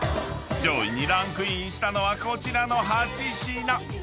［上位にランクインしたのはこちらの８品］